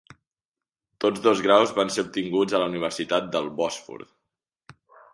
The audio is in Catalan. Tots dos graus van ser obtinguts a la Universitat del Bòsfor.